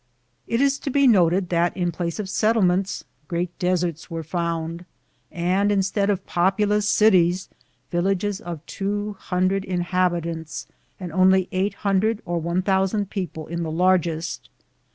It is to be noted that in place of settlements great deserts were found, and instead of populous cities villages of 200 inhabitants and only 800 or 1,000 people in the largest.